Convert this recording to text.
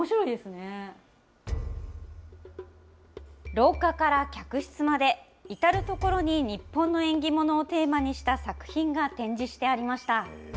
廊下から客室まで、至る所に日本の縁起物をテーマにした作品が展示してありました。